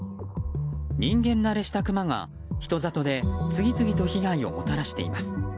人間慣れしたクマが、人里で次々と被害をもたらしています。